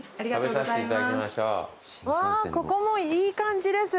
うわーここもいい感じです。